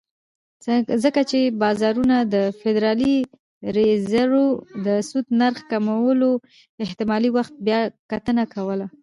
ځکه چې بازارونه د فدرالي ریزرو د سود نرخ کمولو احتمالي وخت بیاکتنه کوله.